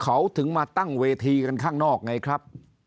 เขาถึงมาตั้งเวทีกันข้างนอกไงครับ